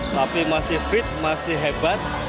tapi masih fit masih hebat